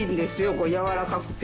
これやわらかくて。